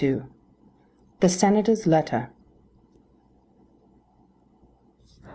THE SENATOR'S LETTER.